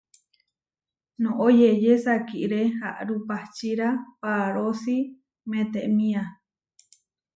Noʼó yeyé sakiré aʼrupahčira paarósi metémia.